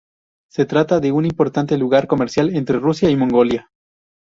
Se trata de un importante lugar comercial entre Rusia y Mongolia.